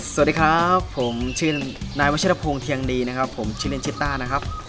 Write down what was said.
สวัสดีครับผมชื่อนายวัชกีฐพงธ์เทียงดีผมชื่อเล่นชิ้นต้านะครับ